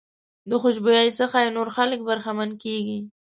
د خوشبويۍ څخه یې نور خلک برخمن کېږي.